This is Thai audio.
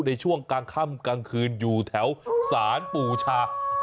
ในช่วงกลางค่ำกลางคืนอยู่แถวสารปู่ชา